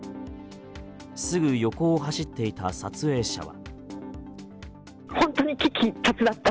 すぐ横を走っていた撮影者は。